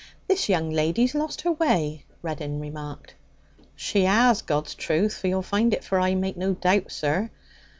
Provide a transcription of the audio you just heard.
'This young lady's lost her way,' Reddin remarked. 'She 'as, God's truth! But you'll find it forra I make no doubt, sir.